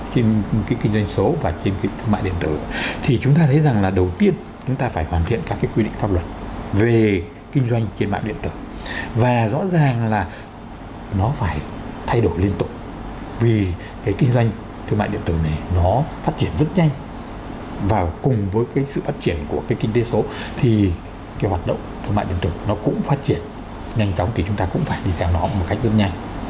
trên cái kinh doanh số và trên cái thương mại điện tử thì chúng ta thấy rằng là đầu tiên chúng ta phải hoàn thiện các cái quy định pháp luật về kinh doanh trên mạng điện tử và rõ ràng là nó phải thay đổi liên tục vì cái kinh doanh thương mại điện tử này nó phát triển rất nhanh và cùng với cái sự phát triển của cái kinh tế số thì cái hoạt động thương mại điện tử nó cũng phát triển nhanh chóng thì chúng ta cũng phải đi theo nó một cách rất nhanh